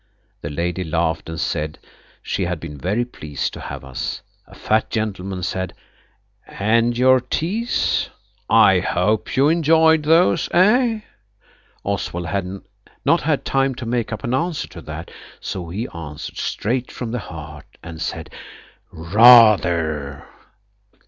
The lady laughed, and said she had been very pleased to have us. A fat gentleman said– "And your teas? I hope you enjoyed those–eh?" Oswald had not had time to make up an answer to that, so he answered straight from the heart, and said– "Ra–ther!"